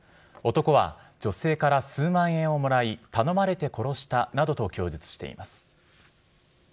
男は女性から数万円をもらい、頼まれて殺したなどと供述しています。